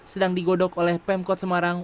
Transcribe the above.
sedang digodok oleh pemkot semarang